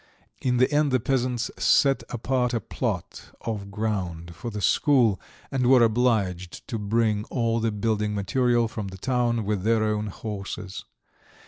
In the end the peasants set apart a plot of ground for the school, and were obliged to bring all the building material from the town with their own horses.